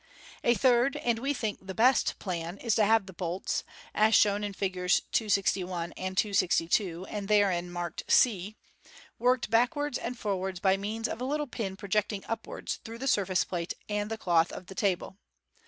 A third, and, we think, the best, plan is to have the bolt (as shown iu Figs. 261 and 262, and therein marked c) worked back wards and forwards by means of a little pin projecting upwards through the sur face plate and the cloth of the table.